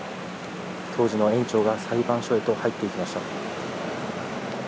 当時の園長が裁判所へと入っていきました。